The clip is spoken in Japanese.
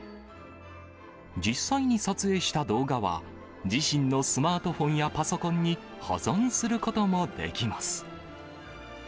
実際に撮影した動画は、自身のスマートフォンやパソコンに保存することもできます。